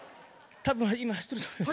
たぶん、今走ってると思います。